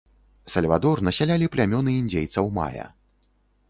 Сальвадор насялялі плямёны індзейцаў мая.